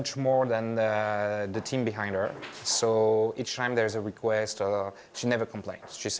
jadi dia mengerti bahwa jika dia memiliki tim di belakangnya